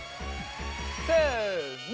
せの。